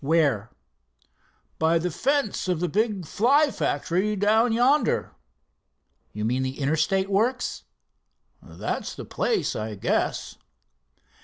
"Where?" "By the fence of the big Fly factory down yonder." "You mean the Interstate works?" "That's the place, I guess."